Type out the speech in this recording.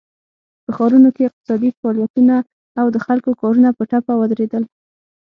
په ښارونو کې اقتصادي فعالیتونه او د خلکو کارونه په ټپه ودرېدل.